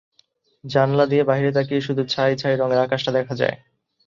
জানলা দিয়ে বাইরে তাকিয়ে শুধু ছাই-ছাই রঙের আকাশটা দেখা যায়।